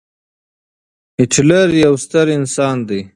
هېټلر يو ستر انسان دی.